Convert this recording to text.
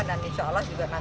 dan insya allah juga nanti